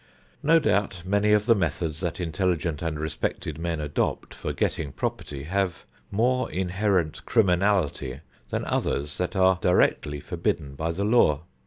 No doubt many of the methods that intelligent and respected men adopt for getting property have more inherent criminality than others that are directly forbidden by the law.